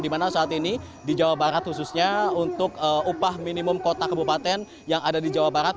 dimana saat ini di jawa barat khususnya untuk upah minimum kota kebupaten yang ada di jawa barat